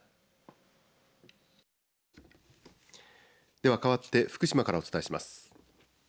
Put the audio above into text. では、かわって福島からお伝えします。